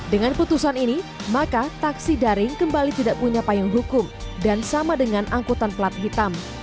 dengan putusan ini maka taksi daring kembali tidak punya payung hukum dan sama dengan angkutan pelat hitam